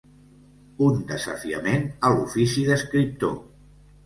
Un desafiament a l’ofici d’escriptor.